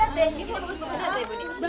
ya bu lihat deh